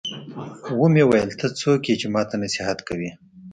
ومې ويل ته څوک يې چې ما ته نصيحت کوې.